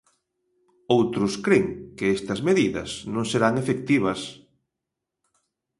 Outros cren que estas medidas non serán efectivas...